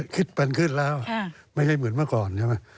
คิดเป็นขึ้นแล้วไม่ใช่เหมือนเมื่อก่อนใช่ไหม